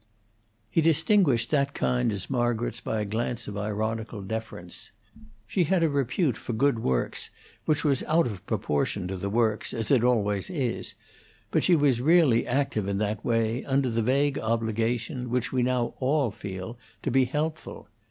He distinguished that kind as Margaret's by a glance of ironical deference. She had a repute for good works which was out of proportion to the works, as it always is, but she was really active in that way, under the vague obligation, which we now all feel, to be helpful.